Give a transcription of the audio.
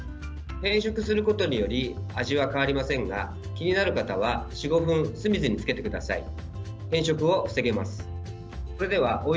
変色することにより味は変わりませんが気になる方は４５分酢水につけてください。